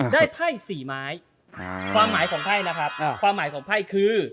ไพ่๔ไม้ความหมายของไพ่นะครับความหมายของไพ่คือ